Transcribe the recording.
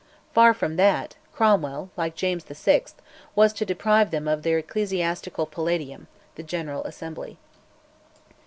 Far from that, Cromwell, like James VI., was to deprive them of their ecclesiastical palladium, the General Assembly.